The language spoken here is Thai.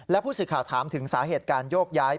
และผู้สื่อข่าวถามถึงสาเหตุการโยกย้าย